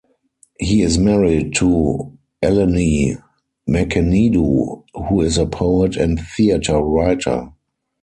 He is married to Eleni Merkenidou who is a poet and theatre writer.